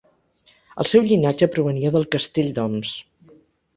El seu llinatge provenia del castell d'Oms.